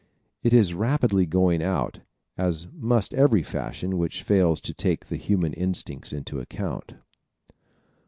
It is rapidly going out, as must every fashion which fails to take the human instincts into account.